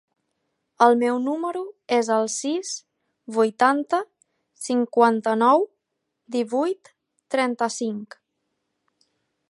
El meu número es el sis, vuitanta, cinquanta-nou, divuit, trenta-cinc.